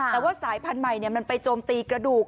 แต่ว่าสายพันธุ์ใหม่มันไปโจมตีกระดูก